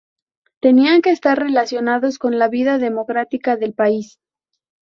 Tenían que estar relacionados con la vida democrática del país.